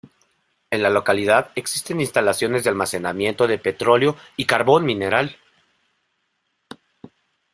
En la localidad existen instalaciones de almacenamiento de petróleo y carbón mineral.